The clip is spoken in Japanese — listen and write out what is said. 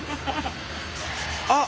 あっ！